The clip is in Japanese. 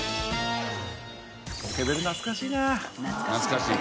ポケベル懐かしいな。